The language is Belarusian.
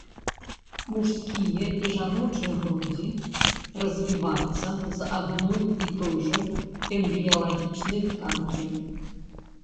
Мужчынскія і жаночыя грудзі развівацца з адной і той жа эмбрыялагічнай тканкі.